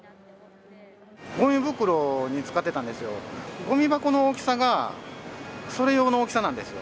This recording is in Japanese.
ごみ袋に使ってたんですよ、ごみ箱の大きさが、それ用の大きさなんですよ。